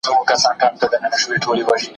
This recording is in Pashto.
شاعرانو د ټولني انځورونه وړاندې کړي دي.